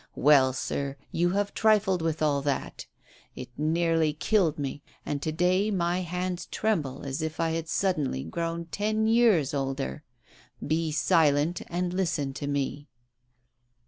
Well, sir, you have trifled with all that. It nearly killed me; and to day my hands tremble as if I had suddenly grown ten years older. Bo silent and listen to me."